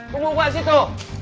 kubu gua situ